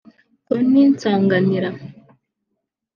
Tony Nsanganira